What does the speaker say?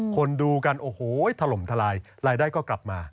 คนดูกันโอ้โหถล่มทลายรายได้ก็กลับมา